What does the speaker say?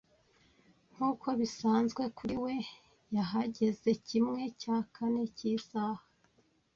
Nkuko bisanzwe kuri we, yahageze kimwe cya kane cyisaha.